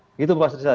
begitu pak srisala